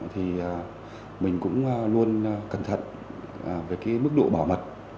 thì mình cũng luôn cẩn thận về cái mức độ bảo mật